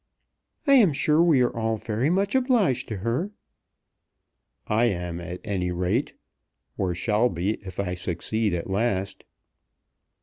"I am sure we are all very much obliged to her." "I am, at any rate, or shall be if I succeed at last."